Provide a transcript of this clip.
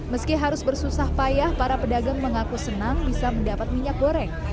meski harus bersusah payah para pedagang mengaku senang bisa mendapat minyak goreng